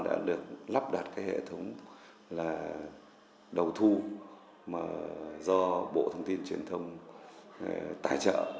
đã được lắp đặt hệ thống đầu thu do bộ thông tin truyền thông tài trợ